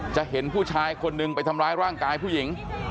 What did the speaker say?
เห็นผู้ชายคนหนึ่งไปทำร้ายร่างกายผู้หญิง